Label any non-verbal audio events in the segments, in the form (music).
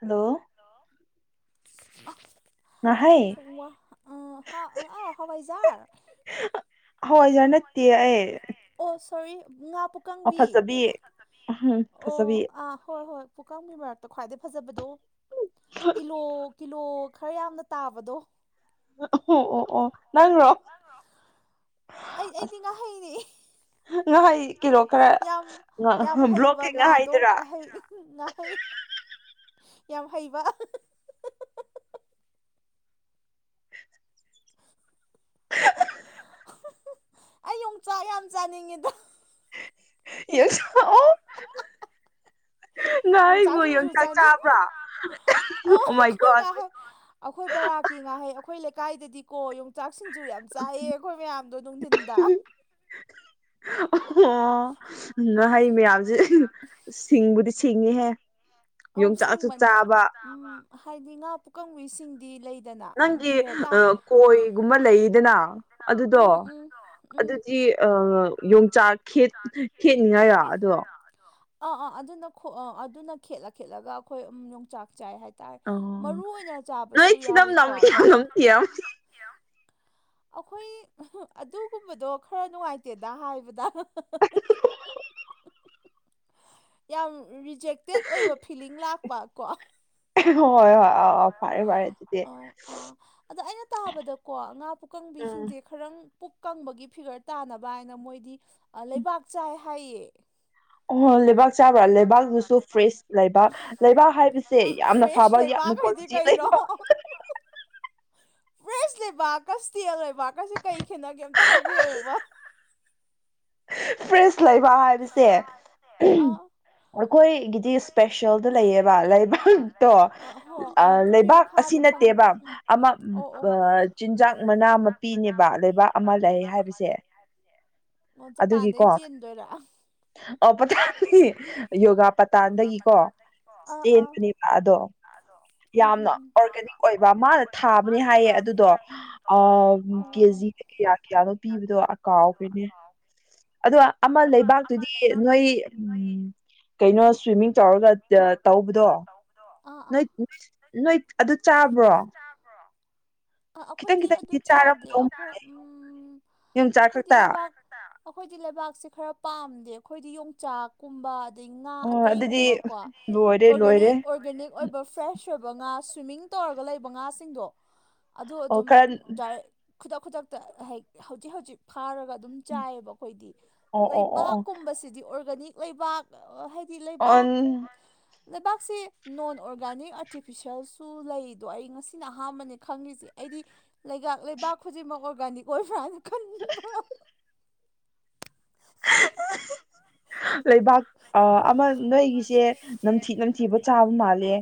hello (inaudible) ꯑꯩꯅ ꯁꯨꯝ ꯋꯥ ꯑ ꯍꯥ ꯑꯥꯎ ꯍꯋꯥꯏꯖꯥꯔ ꯍꯋꯥꯢꯖꯥꯔ ꯅꯠꯇꯤꯌꯦ ꯑꯩ ꯁꯣꯔꯤ ꯉꯥ ꯄꯨꯛꯀꯪꯕꯤ ꯑꯣ ꯑꯥ ꯍꯣꯏ ꯍꯣꯏ ꯄꯨꯛꯀꯪꯕꯤ ꯃꯔꯛꯇ ꯈ꯭ꯋꯥꯏꯗꯩ ꯐꯖꯕꯗꯣ ꯀꯤꯂꯣ ꯀꯤꯂꯣ ꯈꯔ ꯌꯥꯝꯅ ꯇꯥꯕꯗꯣ ꯑꯍꯣ ꯑꯣ ꯑꯣ ꯅꯪꯔꯣ ꯑꯩ ꯑꯩꯗꯤ ꯉꯥꯍꯩꯅꯦ ꯌꯥꯝ ꯌꯥꯝ ꯍꯩꯕ ꯉꯥꯗꯣ ꯑꯍꯩ ꯉꯥꯍꯩ ꯌꯥꯝ ꯍꯩꯕ (inaudible) ꯑꯩ ꯌꯣꯡꯆꯥꯛ ꯌꯥꯝ ꯆꯥꯅꯤꯡꯉꯤꯗ ꯌꯦꯁ (unintelligible) ꯉꯥꯍꯩꯕꯨ ꯌꯣꯡꯆꯥꯛ ꯆꯥꯕ꯭ꯔꯣ ꯑꯣ ꯑꯈꯣꯏ ꯉꯥꯍꯩ ꯑꯈꯣꯏ ꯚꯔꯥꯒꯤ ꯉꯥꯍꯩ ꯑꯈꯣꯏ ꯂꯩꯀꯥꯏꯗꯗꯤꯀꯣ ꯌꯣꯡ ꯆꯥꯛꯁꯤꯡꯁꯨ ꯌꯥꯝ ꯆꯥꯏꯌꯦ ꯑꯈꯣꯏ ꯃꯌꯥꯝꯗꯣ ꯅꯨꯡꯊꯤꯟꯗ ꯑꯣꯍꯣ ꯅꯥꯍꯩ ꯃꯌꯥꯝꯖꯦ ꯁꯤꯡꯕꯨꯗꯤ ꯁꯤꯡꯉꯤꯍꯦ ꯑꯧ ꯁꯤꯡꯕꯅꯦ ꯎꯝ ꯍꯥꯏꯗꯤ ꯉꯥ ꯄꯨꯛꯀꯪꯕꯤ ꯁꯤꯡꯗꯤ ꯂꯩ ꯅꯪꯒꯤ ꯑ ꯀꯣꯏꯒꯨꯝꯕ ꯂꯩꯗꯅꯥ ꯑꯗꯨꯗꯣ ꯑꯗꯨꯗꯤ ꯑ ꯌꯣꯡꯆꯥꯛ ꯈꯦꯠ ꯈꯦꯠꯅꯤꯡꯉꯥꯏꯔꯣ ꯑꯗꯣ ꯑꯥ ꯑꯥ ꯑꯗꯨꯅ ꯈꯣꯛ ꯑꯥ ꯑꯗꯨꯅ ꯈꯦꯠꯂ ꯈꯦꯠꯂꯒ ꯑꯈꯣꯏ ꯎꯝ ꯌꯣꯡꯆꯥꯛ ꯆꯥꯏ ꯍꯥꯏ ꯑꯣ ꯅꯣꯏ ꯊꯤꯅꯝ ꯅꯝꯃꯤ ꯌꯥꯝ ꯅꯝꯊꯤꯔꯝꯅꯤ (inaudible) (inaudible) ꯑꯩꯈꯣꯏ ꯑꯗꯨꯒꯨꯝꯕꯗꯣ ꯈꯔ ꯅꯨꯡꯉꯥꯏꯇꯦꯗ ꯍꯥꯏꯕꯗ ꯌꯥꯝ ꯔꯤꯖꯦꯛꯇꯦꯠ ꯑꯣꯏꯕ ꯐꯤꯂꯤꯡ ꯂꯥꯛꯄ ꯀꯣ ꯍꯣꯏ ꯍꯣꯏ ꯑꯥꯎ ꯑꯥꯎ ꯐꯔꯦ ꯐꯔꯦ ꯑꯗꯨꯗꯤ ꯄꯨꯛꯀꯪꯕꯤꯁꯤꯡꯁꯦ ꯈꯔꯪ ꯄꯨꯛ ꯄꯨꯛꯀꯪꯕꯒꯤ ꯐꯤꯒꯔ ꯇꯥꯅꯕ ꯍꯥꯏꯅ ꯃꯣꯏꯗꯤ ꯂꯩꯕꯥꯛ ꯆꯥꯎ ꯍꯥꯏꯌꯦ ꯑꯣꯍꯣ ꯂꯩꯕꯥꯛ ꯆꯥꯕ꯭ꯔꯥ ꯂꯩꯕꯥꯛꯗꯨꯁꯨ ꯐ꯭ꯔꯦꯁ ꯂꯩꯕꯥꯛ ꯂꯩꯕꯥꯛ ꯍꯥꯏꯕꯁꯦ ꯌꯥꯝꯅ ꯐꯕ ꯌꯥꯝꯅ ꯀ꯭ꯋꯥꯂꯤꯇꯤ ꯂꯩꯕ (inaudible) ꯐ꯭ꯔꯦꯁ ꯂꯩꯕꯥꯛꯀ ꯏꯁꯇꯦꯜ ꯂꯩꯕꯥꯛꯀꯁꯤ ꯀꯩ ꯈꯦꯅꯒꯦ ꯑꯝꯇ ꯍꯥꯏꯕꯤꯔꯛꯎꯕ (inaudible) ꯐ꯭ꯔꯦꯁ ꯂꯩꯕ ꯍꯥꯏꯕꯁꯦ ꯑꯩꯈꯣꯏ ꯑꯩꯒꯤꯗꯤ ꯏꯁꯄꯦꯁꯦꯜꯗ ꯂꯩꯌꯦꯕ ꯂꯩꯕꯥꯛꯇꯣ ꯂꯩꯕꯥꯛ ꯑꯁꯤ ꯅꯠꯇꯦꯕ ꯑꯃ ꯆꯤꯟꯖꯥꯛ ꯃꯅꯥ ꯃꯄꯤꯅꯦꯕ ꯂꯩꯕꯥꯛ ꯑꯃ ꯂꯩ ꯍꯥꯏꯕꯁꯦ (unintelligible) ꯑꯗꯨꯒꯤꯀꯣ ꯌꯣ (unintelligible) ꯑꯗꯨꯒ ꯇꯥꯟꯗꯒꯤꯀꯣ ꯆꯦꯟꯕꯅꯦꯕ ꯀꯣ ꯑꯗꯣ (unintelligible) ꯌꯥꯝꯅ ꯑꯣꯔꯒꯥꯅꯤꯛ ꯑꯣꯏꯕ ꯃꯥꯅ ꯊꯥꯕꯅꯦ ꯍꯥꯏꯌꯦ ꯑꯗꯨꯗꯣ ꯑ ꯖꯤ ꯀꯌꯥ ꯀꯌꯥꯗꯣ ꯄꯤꯕꯗꯣ ꯀꯥꯎꯈ꯭ꯔꯦꯅꯦ ꯑꯗꯣ ꯑꯃ ꯂꯩꯕꯥꯛꯇꯨꯗꯤ ꯅꯣꯏ ꯎ ꯀꯩꯅꯣ ꯁ꯭ꯋꯤꯝꯃꯤꯡ ꯇꯧꯔꯒ ꯇꯧꯕꯗꯣ ꯅꯣꯏ ꯅꯣꯏ ꯑꯗꯨ ꯆꯥꯕ꯭ꯔꯣ ꯑꯩꯈꯣꯏꯗꯤ ꯑꯗꯨ ꯆꯥꯗꯦ ꯑꯩꯈꯣꯏ ꯎꯝ ꯑꯩꯈꯣꯏꯗꯤ ꯂꯩꯕꯥꯛ ꯑꯩꯈꯣꯏꯗꯤ ꯂꯩꯕꯥꯛꯁꯦ ꯈꯔ ꯄꯥꯝ ꯗꯦ ꯑꯩꯈꯣꯏꯗꯤ ꯌꯣꯡꯆꯥꯛꯀꯨꯝꯕ ꯑꯗꯩ ꯉꯥ ꯀꯩꯒꯨꯝꯕ ꯀꯣ ꯑꯣꯔꯒꯅꯤꯛ ꯑꯣꯔꯒꯥꯅꯤꯛ ꯑꯣꯏꯕ ꯐ꯭ꯔꯦꯁ ꯑꯣꯏꯕ ꯉꯥ ꯁ꯭ꯋꯤꯝꯃꯤꯡ ꯇꯧꯔꯒ ꯂꯩꯕ ꯉꯥꯁꯤꯡꯗꯣ ꯑꯗꯨ ꯑꯗꯨꯝ ꯗꯥꯏꯔꯦꯛ ꯈꯨꯗꯛ ꯈꯨꯗꯛꯇ ꯍꯦꯛ ꯍꯧꯖꯤꯛ ꯍꯧꯖꯤꯛ ꯐꯥꯔꯒ ꯑꯗꯨꯝ ꯆꯥꯏꯌꯦꯕ ꯑꯩꯈꯣꯏꯗꯤ ꯂꯩꯕꯥꯛꯀꯨꯝꯕꯁꯤꯗꯤ ꯑꯣꯔꯒꯥꯅꯤꯛ ꯂꯩꯕꯥꯛ ꯑꯣꯟ (unintelligible) ꯂꯩꯕꯥꯛꯁꯦ ꯅꯣꯟ ꯑꯣꯔꯒꯥꯅꯤꯛ ꯑꯥꯔꯇꯤꯐꯤꯁꯦꯜꯁꯨ ꯂꯩꯗꯣ ꯑꯩ ꯉꯁꯤꯅ ꯑꯍꯥꯟꯕꯅꯦ ꯈꯪꯉꯤꯁꯦ ꯑꯩꯗꯤ ꯂꯩꯕꯥꯛ ꯂꯩꯕꯥꯛ ꯈꯨꯗꯤꯡꯃꯛ ꯑꯣꯔꯒꯥꯅꯤꯛ ꯑꯣꯏꯕ꯭ꯔꯥꯅ ꯈꯟꯕ ꯂꯩꯕꯥꯛ ꯑꯃ ꯅꯣꯏꯒꯤꯁꯦ ꯅꯝꯊꯤ ꯅꯝꯊꯤꯕ ꯆꯥꯕ ꯃꯥꯜꯂꯦ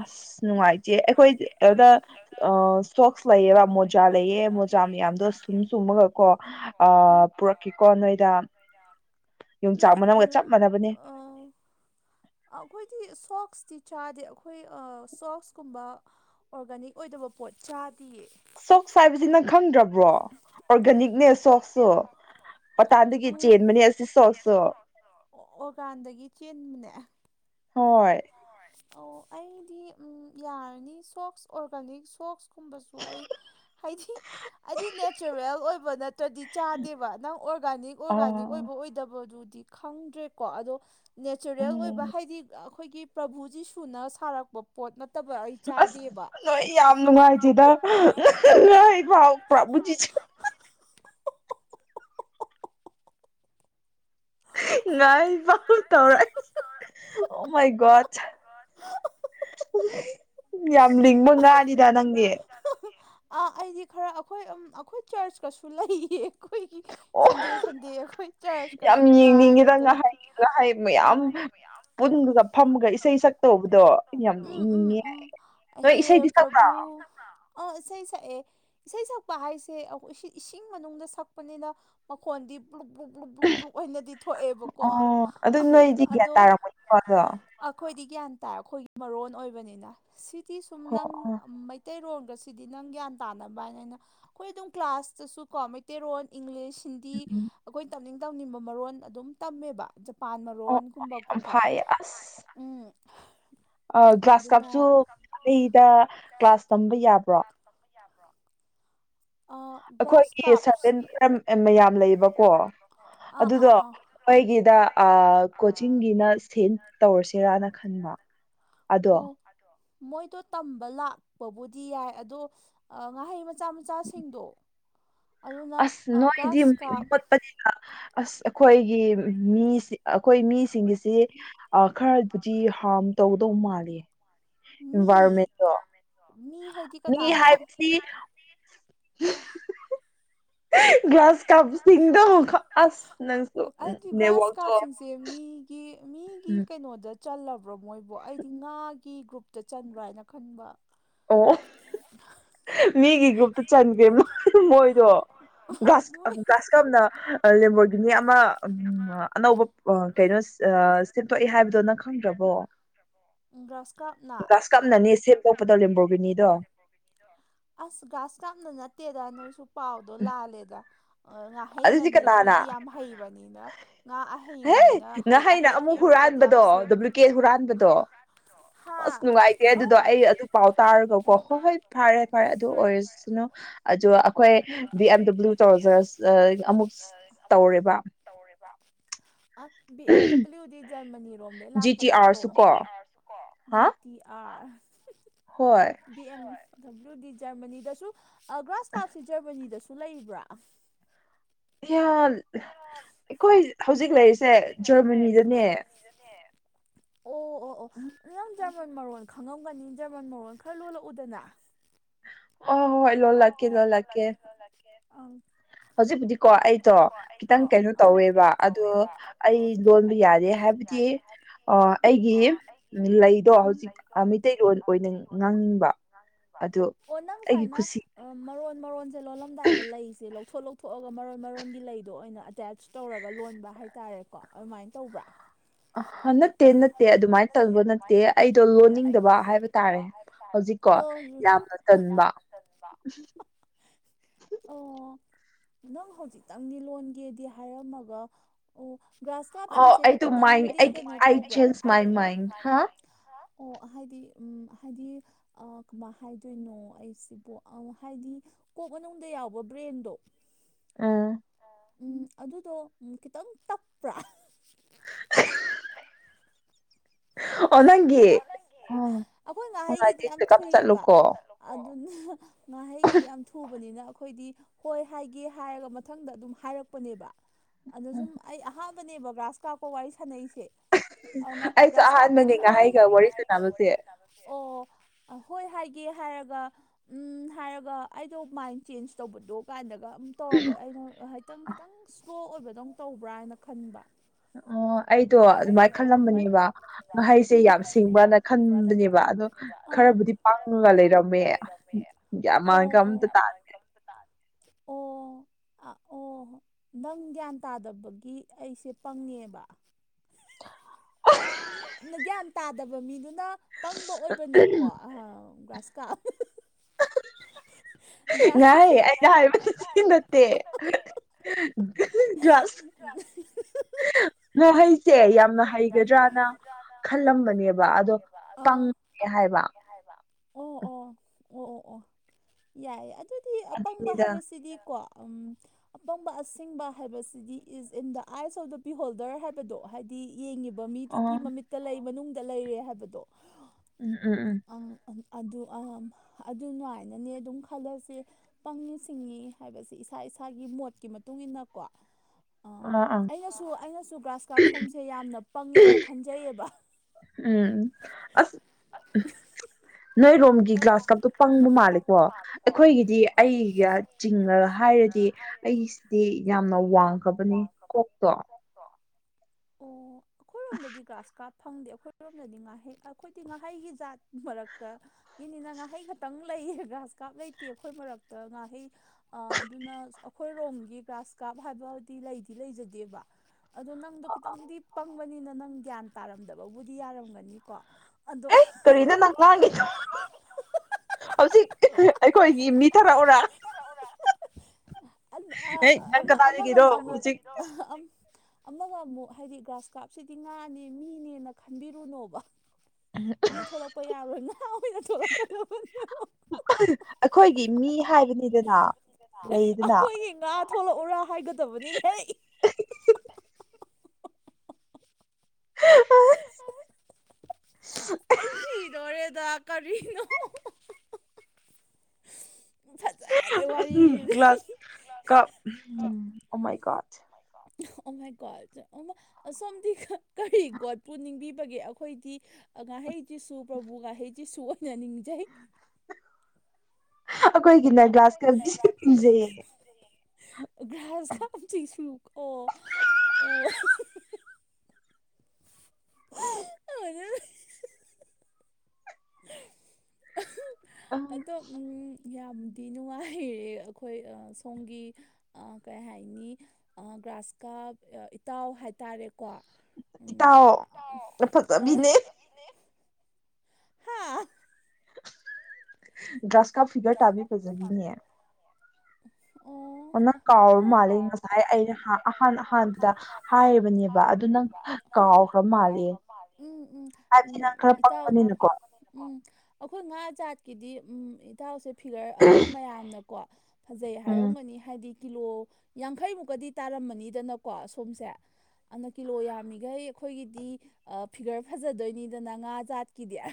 ꯑꯁ ꯑꯁ ꯅꯨꯡꯉꯥꯏꯇꯦ ꯑꯩꯈꯣꯏ ꯑꯗꯨꯗ ꯁꯣꯛꯁ ꯂꯩꯌꯦꯕ ꯃꯣꯖꯥ ꯂꯩꯑ ꯃꯣꯖꯥ ꯃꯌꯥꯝ ꯑꯗꯣ ꯁꯨꯝ ꯆꯨꯝꯃꯒꯀꯣ ꯑ ꯄꯨꯔꯛꯀꯦꯀꯣ ꯅꯣꯏꯗ ꯅꯣꯏ ꯎ ꯑ ꯑꯩꯈꯣꯏꯗꯤ ꯁꯣꯛꯁꯇꯤ ꯆꯥꯗꯦ ꯑꯩꯈꯣꯏ ꯁꯣꯛꯁ ꯀꯨꯝꯕ ꯑꯣꯔꯒꯥꯅꯤꯛ ꯑꯣꯏꯗꯕ ꯄꯣꯠ ꯆꯥ ꯁꯣꯛꯁ ꯍꯥꯏꯕꯁꯤ ꯅꯪ ꯈꯪꯗ꯭ꯔꯕ꯭ꯔꯣ ꯑꯣꯔꯒꯥꯅꯤꯛꯅꯦ ꯁꯣꯛꯁꯁꯨ ꯄꯇꯥꯟꯗꯒꯤ ꯆꯦꯟꯕꯅꯦ ꯑꯁ ꯑꯣ ꯑꯣꯔꯒꯥꯟꯗꯒꯤ ꯆꯦꯟꯕꯅꯦ ꯍꯣꯏ ꯑꯣ ꯑꯩꯗꯤ ꯎꯝ ꯌꯥ ꯌꯥꯔꯅꯤ ꯁꯣꯛꯁ ꯑꯣꯔꯒꯔꯅꯤꯛ ꯁꯣꯛꯁ ꯒꯨꯝꯕꯁꯨ ꯑꯩ ꯍꯥꯏꯗꯤ ꯑꯩꯗꯤ ꯅꯦꯆꯔꯦꯜ ꯑꯣꯏꯕ ꯅꯠ ꯇꯗꯤ ꯆꯥꯗꯦꯕ ꯅꯪ ꯑꯣꯔꯒꯥꯅꯤꯛ ꯑꯣꯔꯒꯥꯅꯤꯛ ꯑꯣꯏꯕ ꯑꯣꯏꯗꯕꯗꯨꯗꯤ ꯈꯪꯗ꯭ꯔꯦꯀꯣ ꯑꯗꯣ ꯅꯦꯆꯔꯦꯜ ꯑꯣꯏꯕ ꯍꯥꯏꯗꯤ ꯑꯈꯣꯏꯒꯤ ꯄ꯭ꯔꯚꯨ ꯖꯤꯁꯨꯅ ꯁꯥꯔꯛꯄ ꯄꯣꯠ ꯅꯠ ꯑꯩ ꯆꯥꯗꯦꯕ ꯅꯣꯏ ꯌꯥꯝ ꯅꯨꯡꯉꯥꯏꯇꯦꯗ ꯅꯣꯏ ꯐꯥꯎ ꯄ꯭ꯔꯚꯨ ꯖꯤꯁꯨ (unintelligible) ꯑꯣ ꯃꯥꯢ ꯒꯣꯠ ꯌꯥꯝ ꯂꯤꯡꯕ ꯉꯥꯅꯤꯗ ꯅꯪꯗꯤ ꯑ ꯑꯩꯗꯤ ꯈꯔ ꯑꯈꯣꯏ ꯎꯝ ꯑꯈꯣꯏ ꯆꯔ꯭ꯁꯀꯁꯨ ꯂꯩꯌꯦ ꯑꯈꯣꯏꯒꯤ ꯁꯟꯗꯦ ꯁꯟꯗꯦ ꯑꯈꯣꯏ ꯆꯔ꯭ꯁꯀꯁꯨ ꯀꯥꯏ ꯑꯗꯒꯤ ꯑꯥ ꯃꯌꯥꯝ ꯄꯨꯟꯗꯨꯒ ꯐꯝꯃꯒ ꯏꯁꯩ ꯁꯛꯇꯧꯕꯗꯣ ꯎꯝ ꯎꯝ ꯎꯝ ꯑꯍꯦ ꯄ꯭ꯔꯚꯨ ꯑ ꯏꯁꯩ ꯁꯛꯑꯦ ꯏꯁꯩ ꯁꯛꯄ ꯍꯥꯏꯁꯦ ꯑꯧ ꯏꯁꯤ ꯏꯁꯤꯡ ꯃꯅꯨꯡꯗ ꯁꯛꯄꯅꯤꯅ ꯃꯈꯣꯟꯗꯤ blue blue blue blue blue ꯑꯣꯏꯅꯗꯤ ꯊꯣꯛꯑꯦꯕꯀꯣ ꯑꯗꯣ ꯑꯈꯣꯏꯗꯤ ꯒ꯭ꯌꯥꯟ ꯇꯥꯔ ꯑꯈꯣꯏꯒꯤ ꯃꯔꯣꯟ ꯑꯣꯏꯕꯅꯤꯅꯥ ꯁꯤꯗꯤ ꯁꯨꯝ ꯅꯪ ꯑꯝ ꯃꯩꯇꯩꯔꯣꯟ ꯒꯁꯤꯗꯤ ꯅꯪ ꯒ꯭ꯌꯥꯟ ꯇꯥꯅꯕ ꯍꯥꯏꯅ ꯑꯩꯅ ꯑꯈꯣꯏ ꯑꯗꯨꯝ ꯀ꯭ꯂꯥꯁꯇꯁꯨ ꯀꯣ ꯃꯩꯇꯩꯔꯣꯟ ꯏꯪꯂꯤꯁ ꯍꯤꯟꯗꯤ ꯑꯈꯣꯏ ꯇꯝꯅꯤꯡ ꯇꯝꯅꯤꯡꯕ ꯃꯔꯣꯟ ꯑꯗꯨꯝ ꯇꯝꯃꯦꯕ ꯖꯞ ꯄꯥꯟ ꯃꯔꯣꯟꯒꯨꯝꯕꯀꯨꯀꯣ ꯎꯝ ꯑ ꯒ꯭ꯂꯥꯁ ꯀꯥꯞꯁꯨ ꯐ꯭ꯔꯤꯗ ꯀ꯭ꯂꯥꯁ ꯇꯝꯕ ꯌꯥꯕ꯭ꯔꯣ ꯑꯈꯣꯢꯒꯤ ꯁꯔꯚꯦꯟꯠ (unintelligible) ꯃꯌꯥꯝ ꯂꯩꯌꯦꯕꯀꯣ ꯑꯥ ꯑꯥ ꯑꯥ ꯑꯈꯣꯏꯒꯤꯗ ꯑꯥ ꯀꯣꯆꯤꯡꯒꯤꯅ ꯁꯤꯟ ꯇꯧꯔꯁꯤꯔꯥꯅ ꯈꯟꯕ ꯑꯗꯣ ꯃꯣꯏꯗꯣ ꯇꯝꯕ ꯂꯥꯛꯄꯕꯨꯗꯤ ꯌꯥꯏ ꯑꯗꯣ ꯑ ꯉꯥꯍꯩ ꯃꯆꯥ ꯃꯆꯥ ꯁ ꯁꯤꯡꯗꯣ ꯑꯁ ꯅꯣꯏꯗꯤ ꯃꯤ ꯃꯣꯠꯄꯅꯤꯅ ꯑꯁ ꯑꯈꯣꯏꯒꯤ ꯃꯤꯁꯤ ꯑꯈꯣꯏ ꯃꯤꯁꯤꯡꯒꯤꯁꯤ ꯑꯥ ꯈꯔꯕꯨꯗꯤ ꯍꯥꯔꯝ ꯇꯧꯗꯧ ꯃꯥꯜꯂꯤ ꯏꯟꯚꯥꯏꯔꯣꯟꯃꯦꯟꯗꯣ ꯃꯤ ꯍꯥꯏꯕꯁꯤ ꯥ (unintelligible) ꯒ꯭ꯂꯥꯁ ꯀꯞꯆꯤꯡꯗꯣ ꯈ ꯑꯁ ꯅꯪꯁꯨ ꯅꯦꯠꯋꯥꯛꯇꯣ ꯀꯤ ꯃꯤꯒꯤ ꯀꯩꯅꯣꯗ ꯆꯜꯂꯕ꯭ꯔꯣ ꯃꯣꯏꯕꯣ ꯑꯩꯗꯤ ꯉꯥꯒꯤ ꯒ꯭ꯔꯨꯞꯇ ꯆꯟꯕ꯭ꯔꯥꯢꯅ ꯈꯟꯕ (inaudible) ꯃꯤꯒꯤ ꯒ꯭ꯔꯨꯞꯇ ꯆꯟꯒ꯭ꯔꯦ ꯃꯣꯏ ꯃꯣꯢꯗꯣ ꯒ꯭ꯔꯥꯁ ꯑ ꯒ꯭ꯔꯥꯁꯀꯥꯞꯅ ꯑꯥ ꯂꯦꯝꯕꯣꯔꯒꯤꯅꯤ ꯑꯃ ꯎꯝ ꯑ ꯑꯅꯧꯕ ꯀꯩꯅꯣ ꯑꯥ ꯁꯦꯝꯇꯣꯛꯏ ꯍꯥꯏꯕꯗꯣ ꯅꯪ ꯈꯪꯗ꯭ꯔꯕꯣ (inaudible) ꯒ꯭ꯔꯥꯁ ꯀꯥꯞꯅꯅꯦ ꯁꯦꯝꯗꯣꯛꯄꯗꯣ ꯂꯦꯝꯕꯣꯔꯒꯤꯅꯤꯗꯣ ꯑꯁ ꯒ꯭ꯂꯥꯁ ꯀꯥꯞꯅ ꯅꯠꯇꯦꯗ ꯅꯣꯏꯁꯨ ꯄꯥꯎꯗꯣ ꯂꯥꯜꯂꯦꯗ ꯑ ꯉꯥꯍꯩꯅꯅꯤ ꯃꯣꯏꯗꯤ ꯌꯥꯝ ꯍꯩꯕꯅꯤꯅ ꯉꯥ ꯑꯍꯩꯕꯅꯤꯅ ꯍꯩ ꯑꯍꯩ ꯑꯍꯩꯕ ꯍꯥꯟꯕꯗꯣ ꯗꯨꯕ꯭ꯂꯤꯀꯦꯠ ꯍꯨꯔꯥꯟꯕꯗꯣ ꯑꯁ ꯅꯨꯡꯉꯥꯏꯇꯦ ꯑꯗꯨꯗꯣ ꯑꯩ ꯑꯗꯨ ꯄꯥꯎ ꯇꯥꯔꯒꯀꯣ ꯍꯣꯏ ꯍꯣꯏ ꯐꯔꯦ ꯐꯔꯦ ꯑꯗꯨ ꯑꯣꯏꯔꯁꯅꯨ ꯑꯖꯨ ꯑꯈꯣꯏ ꯕꯤ ꯑꯦꯝ ꯗꯕꯂꯨ ꯇꯧꯖꯔꯁ (unintelligible) ꯑ ꯑꯃꯨꯛ ꯇꯧꯔꯦꯕ ꯑ ꯕꯤ ꯑꯦꯝ ꯗꯕꯂ꯭ꯌꯨꯗꯤ ꯖꯔꯃꯟ ꯅꯤꯔꯣꯝꯗꯩ ꯂꯥꯛꯄ ꯅꯠꯇ꯭ꯔꯣ ꯖꯤ ꯇꯤ ꯑꯥꯔꯁ ꯀꯣ G T R B M W ꯗꯤ ꯖꯔꯃꯅꯤꯗꯁꯨ ꯑꯒ꯭ꯔꯥꯁ ꯀꯥꯞꯐꯤ ꯖꯔꯃꯅꯤꯗꯁꯨ ꯁꯨ ꯂꯩꯕ꯭ꯔꯥ ꯑꯁ (inaudible) ꯑꯩꯈꯣꯏ ꯍꯧꯖꯤꯛ ꯂꯩꯔꯤꯁꯦ ꯖꯔꯃꯅꯤꯗꯅꯦ ꯑꯣ ꯑꯣ ꯑꯣ ꯅꯪ ꯖꯔꯃꯟ ꯃꯔꯣꯟ ꯈꯪꯉꯝꯒꯅꯤ ꯖꯔꯃꯟ ꯃꯔꯣꯟ ꯈꯔ ꯂꯣꯜꯂꯛꯎꯗꯅ ꯑꯣ ꯍꯣꯏ ꯂꯣꯜꯂꯛꯀꯦ ꯂꯣꯜꯂꯛꯀꯦ ꯑ ꯍꯧꯖꯤꯛꯄꯨꯗꯤꯀꯣ ꯑꯩꯗꯣ ꯈꯤꯇꯪ ꯀꯩꯅꯣ ꯇꯧꯋꯦꯕ ꯑꯗꯣ ꯑꯩ ꯂꯣꯟꯕ ꯌꯥꯔꯦ ꯍꯥꯏꯕ ꯕꯗꯤ ꯑꯣ ꯑꯩꯒꯤ ꯂꯩꯗꯣ ꯍꯧꯖꯤꯛ ꯑ ꯃꯩꯇꯩꯔꯣꯟ ꯑꯣꯏꯅ ꯉꯥꯡꯅꯤꯡ (inaudible) ꯑꯣ ꯅꯪ ꯁꯋ꯭ꯥꯏꯅ ꯑ ꯃꯔꯣꯟ ꯃꯔꯣꯟꯖꯦ ꯂꯣꯜꯂꯝꯗꯥꯏꯗ ꯂꯩꯖꯦ ꯂꯧ ꯊꯣꯛ ꯂꯧꯊꯣꯛꯑꯒ ꯃꯔꯣꯟ ꯃꯔꯣꯟꯒꯤ ꯂꯩꯗꯣ ꯑꯣꯏꯅ ꯑꯦꯇꯦꯁ ꯇꯧꯔꯒ ꯂꯣꯟꯕ ꯍꯥꯏꯇꯥꯔꯦꯀꯣ ꯑꯗꯨꯃꯥꯏ ꯇꯧꯕ꯭ꯔꯥ ꯑꯍ ꯅꯠꯇꯦ ꯅꯠꯇꯦ ꯑꯗꯨꯃꯥꯏꯅ ꯇꯧꯕ ꯅꯠꯇꯦ ꯑꯩꯗꯣ ꯂꯣꯟꯅꯤꯡꯗꯕ ꯍꯥꯏꯕ ꯇꯥꯔꯦ ꯍꯧꯖꯤꯛꯀꯣ ꯌꯥꯝꯅ ꯇꯟꯕ ꯑꯣ ꯅꯪ ꯍꯧꯖꯤꯛꯇꯪꯗꯤ ꯂꯣꯟꯒꯦꯗꯤ ꯍꯥꯏꯔꯝꯃꯒ ꯑꯣ ꯑꯣ ꯑꯩꯗꯣ ꯃꯥꯏ ꯑꯩꯒꯤ ꯑꯥꯏ ꯆꯦꯟꯖ ꯃꯥꯏ ꯃꯥꯏꯟ ꯍꯥꯍꯥ ꯑꯣ ꯍꯥꯏꯗꯤ ꯎꯝ ꯍꯥꯏꯗꯤ ꯑ ꯀꯃꯥꯏ ꯍꯥꯏꯗꯣꯏꯅꯣ ꯑꯩꯁꯤꯕꯣ ꯑꯧ ꯍꯥꯏꯗꯤ ꯀꯣꯛ ꯃꯅꯨꯡꯗ ꯌꯥꯎꯕ ꯕ꯭ꯔꯦꯟꯗꯣ ꯑꯥ ꯎꯝ ꯑꯗꯨꯗꯣ ꯎꯝ ꯈꯤꯇꯪ ꯇꯞꯄ꯭ꯔꯥ (unintelligible) ꯑꯣ ꯅꯪꯒꯤ ꯑꯣ ꯑꯈꯣꯏ ꯉꯥꯍꯩꯒꯤꯗꯤ ꯌꯥꯝ ꯊꯨꯏꯌꯦꯕ ꯑꯗꯨꯅ ꯉꯥꯍꯩꯒꯤꯗꯤ ꯌꯥꯝ ꯊꯨꯕꯅꯤꯅ ꯑꯩꯈꯣꯏꯗꯤ ꯍꯣꯏ ꯍꯥꯏꯒꯦ ꯍꯥꯏꯔꯒ ꯃꯊꯪꯗ ꯑꯗꯨꯝ ꯍꯥꯏꯔꯛꯄꯅꯦꯕ ꯑꯗ ꯁꯨꯝ ꯑꯩ ꯑꯍꯥꯝ ꯕꯅꯦꯕ ꯒ꯭ꯔꯥꯁ ꯀꯥꯞꯀ ꯋꯥꯔꯤ ꯁꯥꯟꯅꯩ ꯑꯩꯁꯨ ꯑꯍꯥꯟꯕꯅꯦ ꯉꯥꯍꯩꯒ ꯋꯥꯔꯤ ꯁꯥꯟꯅꯕꯁꯦ ꯑꯣ ꯑ ꯍꯣꯏ ꯍꯥꯏꯒꯦ ꯍꯥꯏꯔꯒ ꯎꯝ ꯍꯥꯏꯔꯒ ꯑꯩꯗꯣ ꯃꯥꯏꯟ ꯆꯦꯟꯖ ꯇꯧꯕꯗꯣ ꯀꯥꯟꯗꯒ ꯑꯗꯨꯝ ꯇꯧꯔꯛꯄ ꯑꯩꯅ ꯍꯥꯏꯇꯪ ꯈꯤꯇꯪ ꯁ꯭ꯂꯣ ꯑꯣꯏꯕꯗꯧ ꯇꯧꯕ꯭ꯔꯥ ꯍꯥꯏꯅ ꯈꯟꯕ ꯑꯣ ꯑꯩꯗꯣ ꯑꯗꯨꯃꯥꯏ ꯈꯜꯂꯝꯕꯅꯦꯕ ꯉꯥꯍꯩ ꯁꯦ ꯌꯥꯝ ꯁꯤꯡꯕ꯭ꯔꯥꯅ ꯈꯟꯕꯅꯦꯕ ꯑꯗꯣ ꯈꯔꯕꯨꯗꯤ ꯄꯪꯉꯒ ꯂꯩꯔꯝꯃꯦ ꯒ꯭ꯌꯥꯟ ꯃꯥꯟꯒ ꯑꯝꯇ ꯇꯥꯗꯦ ꯑꯣ ꯑ ꯑꯣ ꯅꯪ ꯒ꯭ꯌꯥꯟ ꯇꯥꯗꯕꯒꯤ ꯑꯩꯁꯦ ꯄꯪꯉꯦꯕ (inaudible) ꯒ꯭ꯌꯥꯟ ꯇꯥꯗꯕ ꯃꯤꯗꯨꯅ ꯄꯪꯕ ꯑꯣꯏꯕꯅꯤꯀꯣ ꯑ ꯒ꯭ꯔꯥꯁ ꯀꯥꯞ ꯉꯥꯍꯩ ꯑꯩꯅ ꯍꯥꯏꯕꯗꯨꯗꯤ ꯅꯠꯇꯦ ꯒ꯭ꯔꯥꯁ ꯉꯥꯍꯩꯁꯦ ꯌꯥꯝꯅ ꯍꯩꯒꯗ꯭ꯔꯥꯅ ꯈꯜꯂꯝꯕꯅꯦꯕ ꯑꯗꯣ ꯄꯪꯉꯦ ꯍꯥꯏꯕ ꯑꯣ ꯑꯣ ꯑꯣ ꯑꯣ ꯑꯣ ꯌꯥꯏ ꯑꯗꯨꯗꯤ ꯑꯄꯪꯕ ꯍꯥꯏꯕꯁꯤꯗꯤꯀꯣ ꯎꯝ ꯑꯄꯪꯕ ꯑꯁꯤꯡꯕ ꯍꯥꯏꯕꯁꯤꯗꯤ ꯏꯁ ꯏꯟ ꯗꯥ ꯑꯥꯏꯁ ꯑꯣꯐ ꯗꯥ ꯕꯤꯍꯣꯜꯗꯔ ꯍꯥꯏꯕꯗꯣ ꯍꯥꯏꯗꯤ ꯌꯦꯡꯉꯤ ꯕ ꯃꯤꯗꯨꯒꯤ ꯃꯃꯤꯠꯇ ꯂꯩ ꯃꯅꯨꯡꯗ ꯂꯩꯔꯦ ꯍꯥꯏꯕꯗꯣ ꯎꯝ ꯎꯝ ꯎꯝ ꯑꯗꯨ ꯑꯗꯨꯅꯥꯏꯅꯅꯦ ꯑꯗꯨꯝ ꯈꯜꯂꯁꯦ ꯄꯪꯉꯤ ꯁꯤꯡꯉꯤ ꯍꯥꯏꯕꯁꯦ ꯏꯁꯥ ꯅꯁꯥꯒꯤ ꯃꯣꯠꯀꯤ ꯃꯇꯨꯡ ꯏꯟꯅꯀꯣ ꯑ ꯑꯩꯅꯁꯨ ꯑꯩꯅꯁꯨ ꯒ꯭ꯔꯥꯁ ꯀꯥꯞ ꯁꯣꯝꯁꯦ ꯌꯥꯝꯅ ꯄꯪꯉꯦꯅ ꯈꯟꯖꯩꯌꯦꯕ ꯎꯝ ꯑꯁ ꯅꯣꯏ ꯔꯣꯝ ꯒꯤ ꯒ꯭ꯂꯥꯁ ꯀꯞꯇꯣ ꯄꯪꯕ ꯃꯥꯜꯂꯦꯀꯣ ꯑꯩꯈꯣꯏꯒꯤꯗꯤ ꯑꯩꯒ ꯆꯤꯡꯉ ꯍꯥꯏꯔꯗꯤ ꯑꯩꯁꯤꯗꯤ ꯌꯥꯝꯅ ꯋꯥꯡꯈ꯭ꯔꯕꯅꯦ ꯀꯣꯛꯇꯣ ꯑꯣ ꯑꯩꯈꯣꯏꯔꯣꯝꯗꯗꯤ ꯒ꯭ꯔꯥꯁ ꯀꯥꯞ ꯐꯪꯗꯦ ꯑꯩꯈꯣꯏꯔꯣꯝꯗꯗꯤ ꯉꯥꯍꯩ ꯑꯩꯈꯣꯏꯗꯤ ꯉꯥꯍꯩꯒꯤ ꯖꯥꯠ ꯃꯔꯛꯇ ꯒꯤꯅꯤꯅ ꯉꯥꯍꯩ ꯈꯛꯇꯪ ꯂꯩꯌꯦ ꯒ꯭ꯔꯥꯁ ꯀꯥꯞ ꯂꯩꯇꯦ ꯑꯩꯈꯣꯏ ꯃꯔꯛꯇ ꯉꯥꯍꯩ ꯑꯗꯨꯅ ꯑꯩꯈꯣꯏ ꯔꯣꯝꯒꯤ ꯒ꯭ꯔꯥꯁ ꯀꯥꯞ ꯍꯥꯏꯕꯗꯤ ꯂꯩꯗꯤ ꯂꯩꯖꯗꯦꯕ ꯑꯗꯣ ꯅꯪꯗꯣ ꯈꯤꯇꯪꯗꯤ ꯄꯪꯕꯅꯤꯅ ꯅꯪ ꯒ꯭ꯌꯥꯟ ꯇꯥꯔꯝꯗꯕꯕꯨꯗꯤ ꯌꯥꯔꯝꯒꯅꯤꯀꯣ ꯑꯦ ꯀꯔꯤꯅꯣ ꯅꯪ ꯉꯥꯡꯉꯤꯗꯣ ꯍꯧꯖꯤꯛ ꯑꯩꯈꯣꯏꯒꯤ ꯃꯤ ꯊꯥꯔꯛꯎꯔꯥ ꯑꯩ ꯑ ꯑꯃ ꯑꯃꯒꯅ ꯑꯃꯨꯛ ꯑꯃꯒ ꯑꯃꯨꯛ ꯍꯥꯏꯗꯤ ꯒ꯭ꯔꯥꯁ ꯀꯥꯞꯁꯤꯗꯤ ꯉꯥꯅꯤ ꯃꯤꯅꯦꯅ ꯈꯟꯕꯤꯔꯨꯅꯣꯕ ꯃꯤ ꯊꯣꯂꯛꯄ ꯌꯥꯔꯣꯢ ꯉꯥ ꯑꯩꯈꯣꯏꯒꯤ ꯃꯤ ꯍꯥꯏꯕꯅꯤꯗꯅ ꯑꯩꯈꯣꯏꯒꯤ ꯉꯥ ꯊꯣꯛꯂꯛꯎꯔꯥ ꯍꯥꯏꯒꯗꯕꯅꯤꯅꯦ ꯑꯍꯍ ꯁꯤꯗꯣꯔꯦꯗ ꯀꯔꯤꯅꯣ ꯭ꯒꯂꯥꯁ ꯀꯥꯞ ꯎꯝ ꯑꯣ ꯃꯥꯏ ꯒꯣꯗ ꯑꯣ ꯃꯥꯏ ꯒꯣꯗ ꯑꯣ ꯃ ꯁꯣꯝꯗꯤ ꯀꯔꯤ ꯒꯣꯠꯄꯨ ꯅꯤꯡꯕꯤ ꯕꯒꯦ ꯑꯩꯈꯣꯏꯗꯤ ꯉꯍꯩꯖꯤꯁꯨ ꯄ꯭ꯔꯚꯨ ꯉꯥꯍꯩꯖꯤꯁꯨ ꯑꯣꯏꯅ ꯅꯤꯡꯖꯩ (inaudible) ꯑꯈꯣꯏꯒꯤꯅ ꯒ꯭ꯂꯥꯁ ꯀꯥꯞ ꯖꯤꯁꯨ ꯅꯤꯡꯖꯩꯑꯦ ꯭ꯒꯔꯥꯁ ꯀꯥꯞ ꯖꯤꯁꯨ ꯑꯣ ꯑꯣ ꯍꯅ (inaudible) ꯑꯗꯣ ꯎꯝ ꯌꯥꯝꯗꯤ ꯅꯨꯡꯉꯥꯏꯔꯦ ꯑꯩꯈꯣꯏ ꯁꯣꯝꯒꯤ ꯑ ꯀꯩ ꯍꯥꯏꯅꯤ ꯑꯥ ꯒ꯭ꯔꯥꯁ ꯀꯥꯞ ꯏꯇꯥꯎ ꯍꯥꯏꯇꯥꯔꯦ ꯏꯇꯥꯎ ꯄꯨꯛꯐꯠꯇꯕꯤꯅꯦ ꯒ꯭ꯔꯥꯁ ꯀꯥꯞ ꯐꯤꯒꯔ ꯇꯥꯕꯤ ꯐꯖꯕꯤꯅꯦ (inaudible) ꯅꯪ ꯀꯥꯎꯔ ꯃꯥꯜꯂꯦ ꯉꯁꯥꯏ ꯑꯩꯅ ꯑꯍꯥꯟ ꯑꯍꯥꯟꯕꯗ ꯍꯥꯏꯔꯤꯕꯅꯦꯕ ꯑꯗꯨ ꯅꯪ ꯀꯥꯎꯈ꯭ꯔ ꯃꯥꯜꯂꯦ ꯃꯥꯜꯂꯦ ꯑꯝ ꯍꯥꯢꯗꯤ ꯅꯪ ꯈꯔ ꯄꯪ ꯕꯅꯤꯅꯀꯣ ꯑꯩꯈꯣꯏ ꯉꯥ ꯆꯥ ꯀꯤꯗꯤ ꯎ ꯏꯇꯥꯎꯁꯦ ꯐꯤꯒꯔ ꯑꯗꯨꯝ ꯃꯌꯥꯝꯅꯀꯣ ꯐꯖꯩ ꯍꯥꯏꯔꯝꯒꯅꯤ ꯍꯥꯏꯗꯤ ꯀꯤꯂꯣ ꯌꯥꯡꯈꯩꯃꯨꯛꯀꯗꯤ ꯇꯥꯔꯝꯃꯅꯤꯗꯅꯀꯣ ꯁꯣꯝꯁꯦ ꯑꯗꯨꯅ ꯀꯤꯂꯣ ꯌꯥꯝꯃꯤꯈꯩ ꯑꯩꯈꯣꯏꯒꯤꯗꯤ ꯐꯤꯒꯔ ꯐꯖꯗꯣꯏꯅꯤꯗꯅ ꯉꯥ ꯖꯥꯠꯀꯤꯗꯤ (inaudible)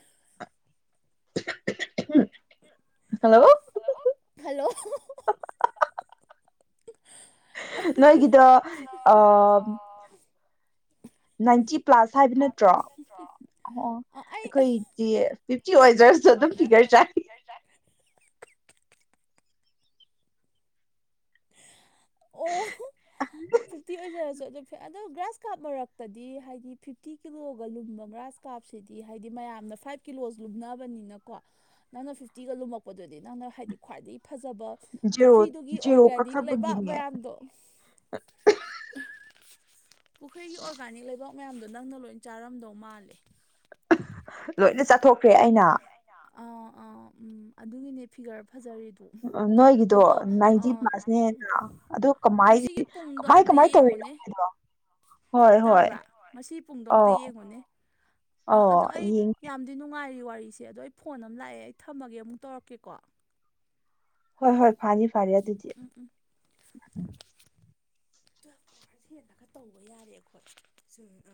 ꯍꯜꯂꯣ ꯍꯜꯂꯣ ꯅꯣꯏꯒꯤꯗꯣ ꯑ ꯅꯥꯏꯟꯇꯤ ꯄ꯭ꯂꯥꯁ ꯍꯥꯏꯕ ꯅꯠꯇ꯭ꯔꯣ ꯑꯣ ꯑꯩꯈꯣꯏꯗꯤ ꯐꯤꯞꯇꯤ ꯑꯣꯏꯖꯔꯁꯨ ꯑꯗꯨꯝ ꯐꯤꯒꯔ ꯆꯥꯏ ꯑꯣ ꯐꯤꯐꯇꯤ ꯑꯣꯏꯖꯔꯁꯨ ꯑꯗꯣ ꯐꯤ ꯑꯗꯣ ꯒ꯭ꯔꯥꯁ ꯀꯥꯞ ꯃꯔꯛꯇꯗꯤ ꯍꯥꯏꯗꯤ ꯐꯤꯐꯇꯤ ꯀꯤꯂꯣꯒ ꯂꯨꯝꯕ ꯒ꯭ꯔꯥꯁ ꯀꯥꯞ ꯀꯥꯞ ꯁꯤꯗꯤ ꯍꯥꯏꯗꯤ ꯃꯌꯥꯝꯅ ꯐꯥꯢꯐ ꯀꯤꯂꯣꯖ ꯂꯨꯝꯅꯕꯅꯤꯅꯀꯣ ꯅꯪꯅ ꯐꯤꯐꯇꯤꯒ ꯂꯨꯝꯃꯛꯄꯗꯨꯗꯤ ꯅꯪꯅ ꯍꯥꯏꯗꯤ ꯈ꯭ꯋꯥꯏꯗꯒꯤ ꯐꯖꯕ ꯄꯨꯈ꯭ꯔꯤꯗꯨꯒꯤ ꯑꯣꯔꯒꯥꯅꯤꯛ ꯂꯩꯕꯥꯛ ꯃꯌꯥꯝꯗꯣ ꯄꯨꯈ꯭ꯔꯤꯒꯤ ꯑꯣꯔꯒꯥꯅꯤꯛ ꯂꯩꯕꯥꯝ ꯃꯌꯥꯝꯗꯣ ꯅꯪꯅ ꯂꯣꯏ ꯆꯥꯔꯝꯗꯧ ꯃꯥꯜꯂꯦ ꯂꯣꯏꯅ ꯆꯥꯊꯣꯛꯈ꯭ꯔꯦ ꯑꯩꯅꯥ ꯑ ꯎꯝ ꯑꯗꯨꯒꯤꯅꯦ ꯐꯤꯒꯔ ꯅꯣꯏꯒꯤꯗꯣ ꯅꯥꯏꯟꯇꯤ ꯄ꯭ꯂꯥꯁꯅꯦꯅꯥ ꯑꯗꯨ ꯀꯃꯥꯏ ꯀꯃꯥꯏ ꯀꯃꯥꯢ ꯇꯧꯔꯤꯅꯣ ꯑꯗꯣ ꯇꯥꯕ꯭ꯔꯥ ꯉꯁꯤ ꯄꯨꯡꯗꯣ ꯑꯝꯇ ꯌꯦꯡꯉꯨꯅꯦ ꯑꯥ ꯑꯗꯣ ꯑꯩ ꯌꯥꯝꯗꯤ ꯅꯨꯡ ꯉꯥꯏꯔꯤ ꯋꯥꯔꯤꯁꯦ ꯑꯗꯣ ꯑꯩ ꯐꯣꯟ ꯑꯝ ꯂꯥꯛꯑꯦ ꯑꯩ ꯊꯝꯃꯒꯦ ꯑꯃꯨꯛ ꯇꯧꯔꯛꯀꯦꯀꯣ ꯍꯣꯏ ꯍꯣꯏ ꯐꯥꯅꯤ ꯐꯥꯅꯤ ꯑꯗꯨꯗꯤ ꯇ꯭ꯋꯦꯜꯚ ꯑꯋꯥꯔꯁ ꯍꯦꯟꯅꯒ ꯇꯧꯕ ꯌꯥꯔꯦ ꯑꯈꯣꯏ ꯁꯨꯝ ꯑ